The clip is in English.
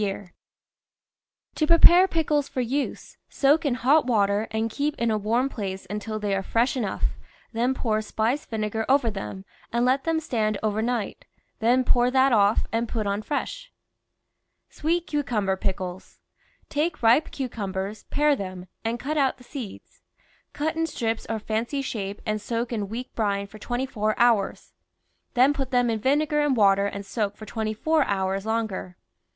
THE VEGETABLE GARDEN To prepare pickles for use, soak in hot water and keep in a warm place until they are fresh enough, then pour spiced vinegar over them and let them stand over night, then pour that off, and put on fresh. SWEET CUCUMBER PICKLES Take ripe cucumbers, pare them, and cut out the seeds ; cut in strips or fancy shape and soak in weak brine for twenty four hours, then put them in vine gar and water and soak for twenty four hours longer.